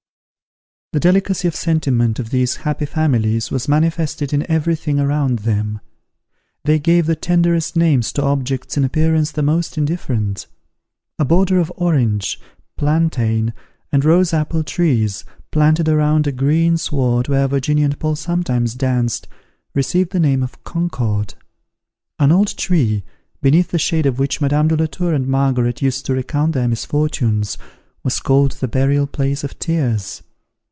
The delicacy of sentiment of these happy families was manifested in every thing around them. They gave the tenderest names to objects in appearance the most indifferent. A border of orange, plantain and rose apple trees, planted round a green sward where Virginia and Paul sometimes danced, received the name of Concord. An old tree, beneath the shade of which Madame de la Tour and Margaret used to recount their misfortunes, was called the Burial place of Tears.